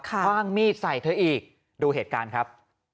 คว่างมีดใส่เธออีกดูเหตุการณ์ครับ